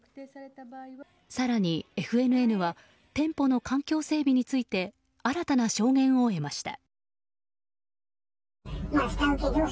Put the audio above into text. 更に、ＦＮＮは店舗の環境整備について新たな証言を得ました。